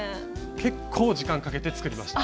結構時間かけて作りました。